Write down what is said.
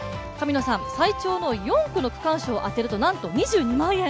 最長の４区の区間賞を当てるとなんと２２万円！